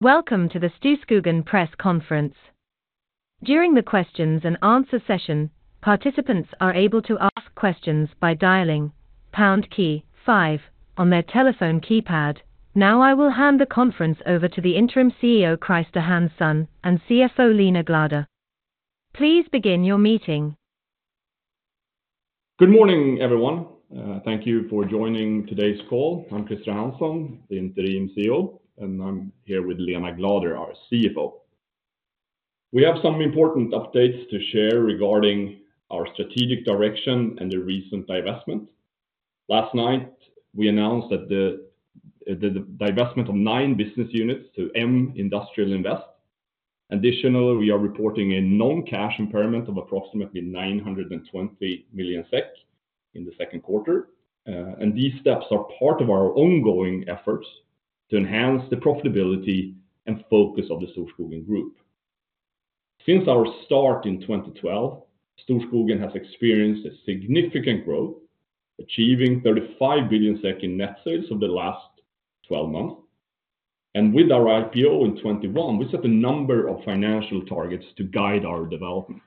Welcome to the Storskogen Press Conference. During the Q&A session, participants are able to ask questions by dialing five on their telephone keypad. Now I will hand the conference over to the Interim CEO, Christer Hansson, and CFO Lena Glader. Please begin your meeting. Good morning, everyone. Thank you for joining today's call. I'm Christer Hansson, the interim CEO, and I'm here with Lena Glader, our CFO. We have some important updates to share regarding our strategic direction and the recent divestment. Last night, we announced the divestment of nine business units to M Industrial Invest. Additionally, we are reporting a non-cash impairment of approximately 920 million SEK in the second quarter. These steps are part of our ongoing efforts to enhance the profitability and focus of the Storskogen Group. Since our start in 2012, Storskogen has experienced significant growth, achieving 35 billion in net sales over the last 12 months. With our IPO in 2021, we set a number of financial targets to guide our development.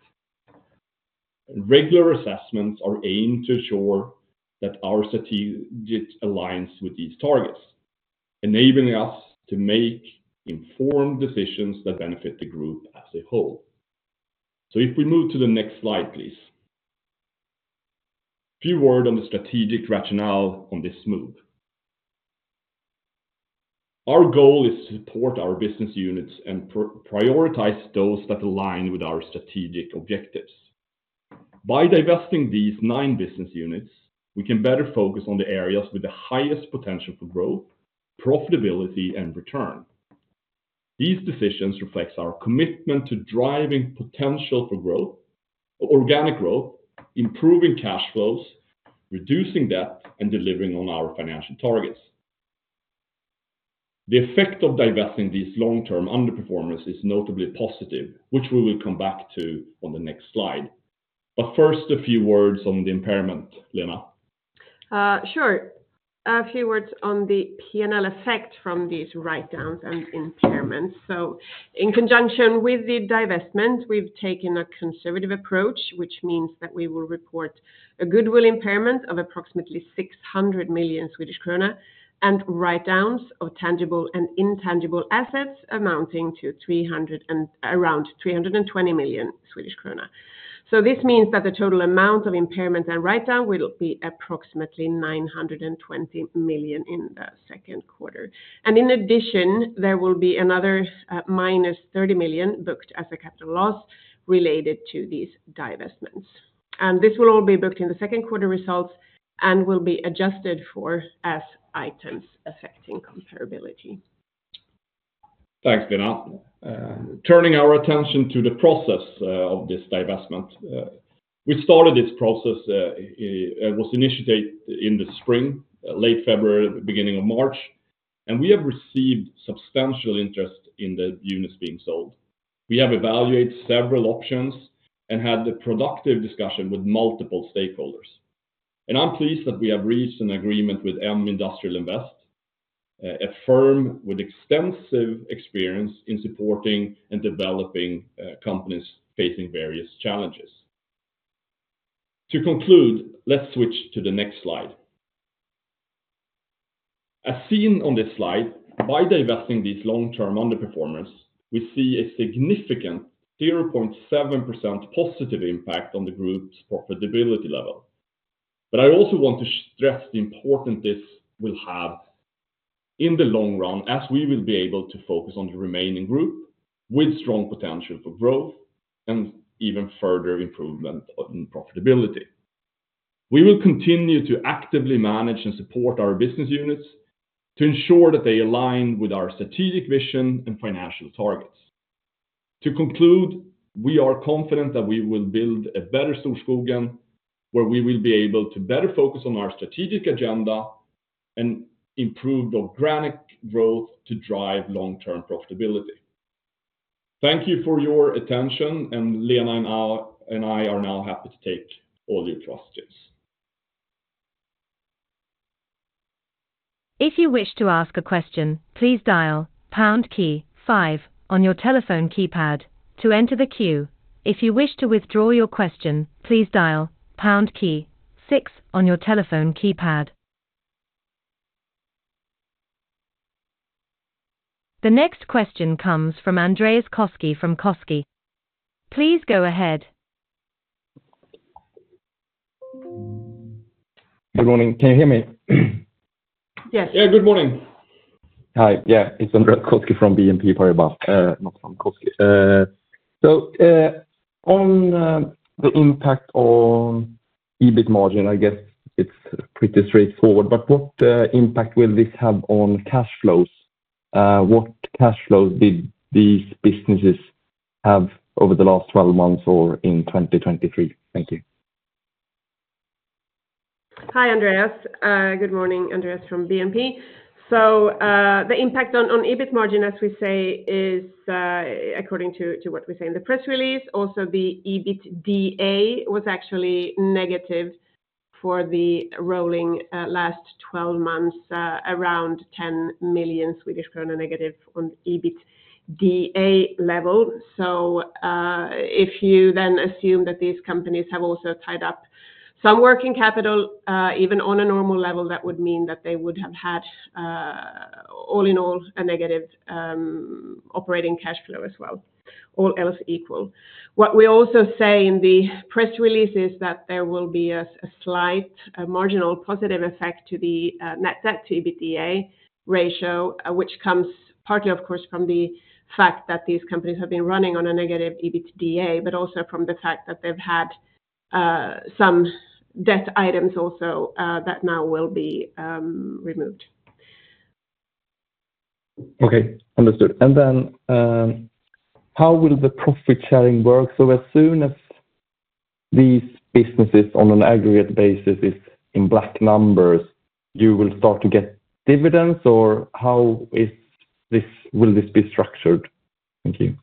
Regular assessments are aimed to ensure that our strategic aligns with these targets, enabling us to make informed decisions that benefit the Group as a whole. If we move to the next slide, please. A few words on the strategic rationale on this move. Our goal is to support our business units and prioritize those that align with our strategic objectives. By divesting these nine business units, we can better focus on the areas with the highest potential for growth, profitability, and return. These decisions reflect our commitment to driving potential for growth, organic growth, improving cash flows, reducing debt, and delivering on our financial targets. The effect of divesting these long-term underperformances is notably positive, which we will come back to on the next slide. First, a few words on the impairment, Lena. Sure. A few words on the P&L effect from these write-downs and impairments. In conjunction with the divestment, we've taken a conservative approach, which means that we will report a goodwill impairment of approximately 600 million Swedish krona and write-downs of tangible and intangible assets amounting to around 320 million Swedish krona. This means that the total amount of impairment and write-down will be approximately 920 million in the second quarter. In addition, there will be another -30 million booked as a capital loss related to these divestments. This will all be booked in the second quarter results and will be adjusted for as items affecting comparability. Thanks, Lena. Turning our attention to the process of this divestment, we started this process, was initiated in the spring, late February, beginning of March, and we have received substantial interest in the units being sold. We have evaluated several options and had a productive discussion with multiple stakeholders. I'm pleased that we have reached an agreement with M Industrial Invest, a firm with extensive experience in supporting and developing companies facing various challenges. To conclude, let's switch to the next slide. As seen on this slide, by divesting these long-term underperformances, we see a significant 0.7% positive impact on the Group's profitability level. But I also want to stress the importance this will have in the long run as we will be able to focus on the remaining Group with strong potential for growth and even further improvement in profitability. We will continue to actively manage and support our business units to ensure that they align with our strategic vision and financial targets. To conclude, we are confident that we will build a better Storskogen, where we will be able to better focus on our strategic agenda and improve organic growth to drive long-term profitability. Thank you for your attention, and Lena and I are now happy to take all your questions. If you wish to ask a question, please dial pound key five on your telephone keypad to enter the queue. If you wish to withdraw your question, please dial pound key six on your telephone keypad. The next question comes from Andreas Koski from BNP Paribas. Please go ahead. Good morning. Can you hear me? Yes. Yeah, good morning. Hi. Yeah, it's Andreas Koski from BNP Paribas, not from Koski. On the impact on EBIT margin, I guess it's pretty straightforward. But what impact will this have on cash flows? What cash flows did these businesses have over the last 12 months or in 2023? Thank you. Hi, Andreas. Good morning, Andreas from BNP. The impact on EBIT margin, as we say, is according to what we say in the press release. Also, the EBITDA was actually negative for the rolling last 12 months, around 10 million Swedish krona negative on EBITDA level. If you then assume that these companies have also tied up some working capital, even on a normal level, that would mean that they would have had, all in all, a negative operating cash flow as well. All else equal. What we also say in the press release is that there will be a slight marginal positive effect to the net debt to EBITDA ratio, which comes partly, of course, from the fact that these companies have been running on a negative EBITDA, but also from the fact that they've had some debt items also that now will be removed. Okay, understood. Then how will the profit sharing work? As soon as these businesses, on an aggregate basis, are in black numbers, you will start to get dividends, or how will this be structured? Thank you.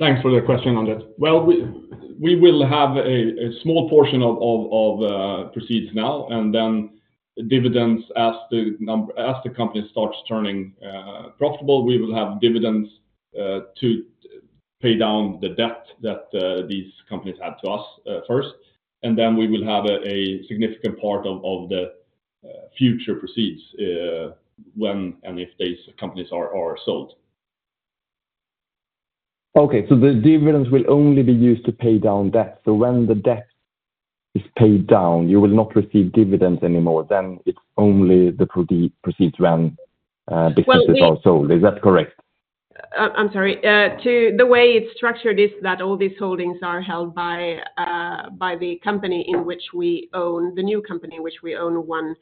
Thanks for the question on that. We will have a small portion of proceeds now, and then dividends as the company starts turning profitable; we will have dividends to pay down the debt that these companies had to us first. Then we will have a significant part of the future proceeds when and if these companies are sold. Okay, so the dividends will only be used to pay down debt. When the debt is paid down, you will not receive dividends anymore. Then it's only the proceeds when businesses are sold. Is that correct? I'm sorry. The way it's structured is that all these holdings are held by the company in which we own, the new company in which we own one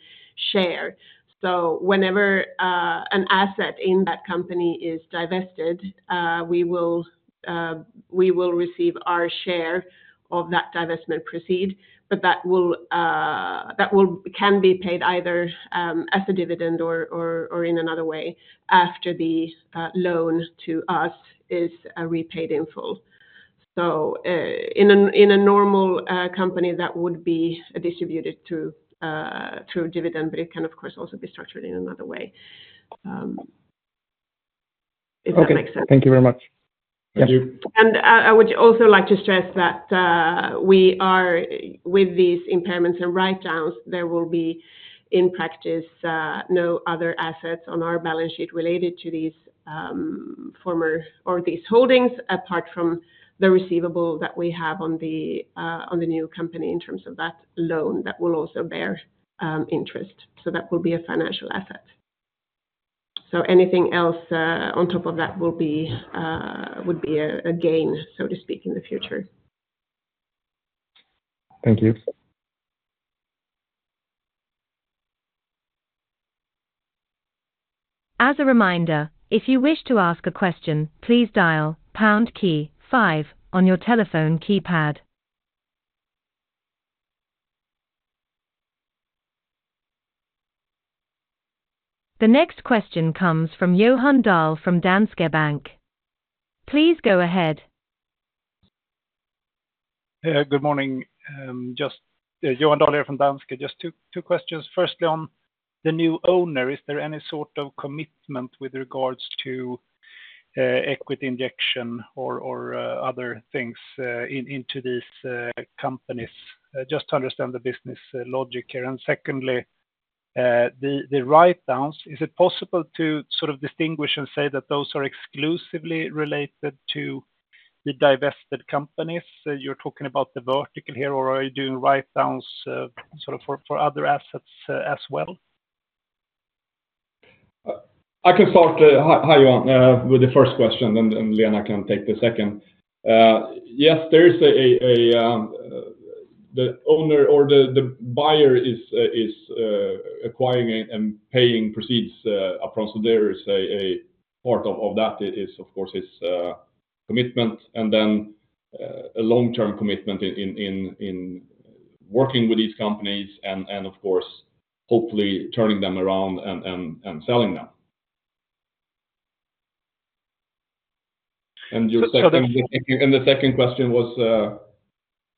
share. Whenever an asset in that company is divested, we will receive our share of that divestment proceeds, but that can be paid either as a dividend or in another way after the loan to us is repaid in full. In a normal company, that would be distributed through dividend, but it can, of course, also be structured in another way. If that makes sense. Okay, thank you very much. Thank you. I would also like to stress that with these impairments and write-downs, there will be, in practice, no other assets on our balance sheet related to these former or these holdings, apart from the receivable that we have on the new company in terms of that loan that will also bear interest. That will be a financial asset. Anything else on top of that would be a gain, so to speak, in the future. Thank you. As a reminder, if you wish to ask a question, please dial pound key five on your telephone keypad. The next question comes from Johan Dahl from Danske Bank. Please go ahead. Good morning. Johan Dahl here from Danske. Just two questions. Firstly, on the new owner, is there any sort of commitment with regards to equity injection or other things into these companies? Just to understand the business logic here. Secondly, the write-downs, is it possible to sort of distinguish and say that those are exclusively related to the divested companies? You're talking about the vertical here, or are you doing write-downs for other assets as well? I can start. Hi, Johan, with the first question, then Lena can take the second. Yes, there is. The owner or the buyer is acquiring and paying proceeds upfront. There is a part of that, of course, is commitment and then a long-term commitment in working with these companies and, of course, hopefully turning them around and selling them. And you said in the second question was,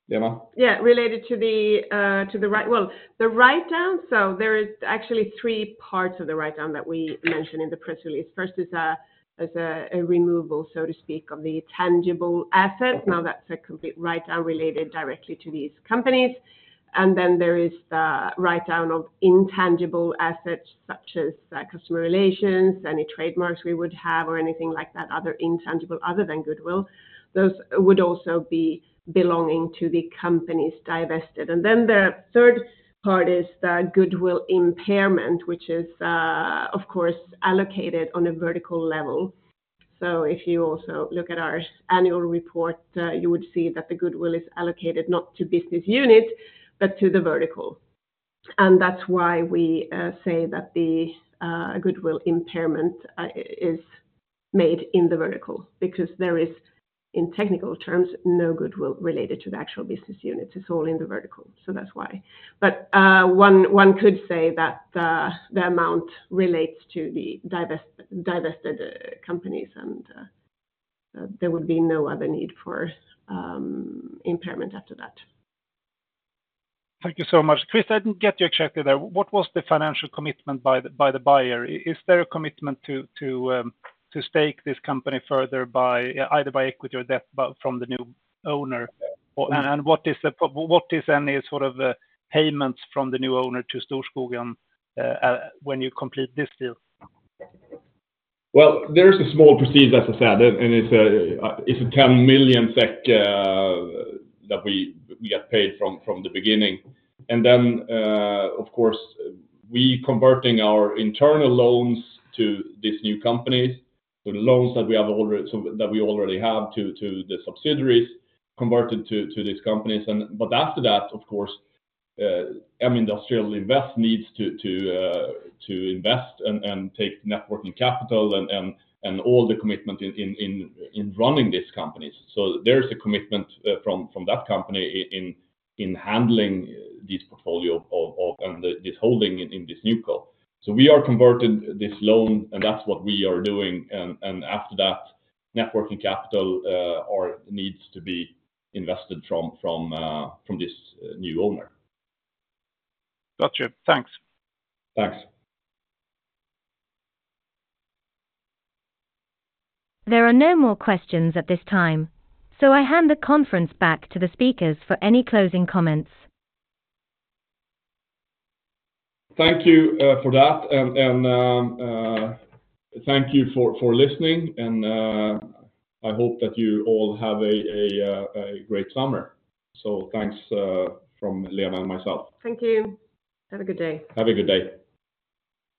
Lena? Yeah, related to the write-down. There are actually three parts of the write-down that we mentioned in the press release. First is a removal, so to speak, of the tangible assets. Now, that's a complete write-down related directly to these companies. Then there is the write-down of intangible assets such as customer relations, any trademarks we would have, or anything like that, other intangible other than goodwill. Those would also be belonging to the companies divested. Then the third part is the goodwill impairment, which is, of course, allocated on a vertical level. If you also look at our annual report, you would see that the goodwill is allocated not to business units, but to the vertical. That's why we say that the goodwill impairment is made in the vertical because there is, in technical terms, no goodwill related to the actual business units. It's all in the vertical. That's why. But one could say that the amount relates to the divested companies, and there would be no other need for impairment after that. Thank you so much. Chris, I didn't get you exactly there. What was the financial commitment by the buyer? Is there a commitment to stake this company further either by equity or debt from the new owner? And what is any sort of payments from the new owner to Storskogen when you complete this deal? Well, there's a small proceeds, as I said, and it's 10 million SEK that we get paid from the beginning. Then, of course, we are converting our internal loans to these new companies, the loans that we already have to the subsidiaries converted to these companies. But after that, of course, M Industrial Invest needs to invest and take working capital and all the commitment in running these companies. There's a commitment from that company in handling this portfolio and this holding in this new company. We are converting this loan, and that's what we are doing. After that, working capital needs to be invested from this new owner. Got you. Thanks. Thanks. There are no more questions at this time, so I hand the conference back to the speakers for any closing comments. Thank you for that, and thank you for listening. I hope that you all have a great summer. Thanks from Lena and myself. Thank you. Have a good day. Have a good day.